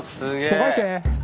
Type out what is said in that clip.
もがいて。